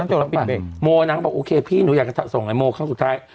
โอโมอามีนาบอกโอเคพี่หนูอยากจะส่งโอโมอามีนาครั้งสุดท้าย